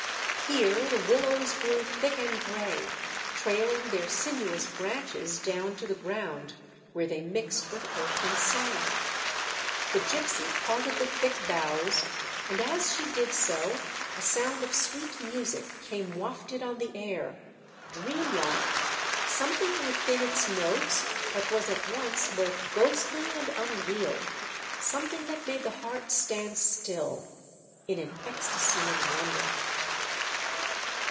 Here the willows grew thick and grey, trailing their sinuous branches down to the ground where they mixed with earth and sand. The gypsy parted the thick boughs, and as she did so a sound of sweet music came wafted on the air, dream like, something within its notes that was at once both ghostly and unreal, something that made the heart stand still in an ecstasy of wonder.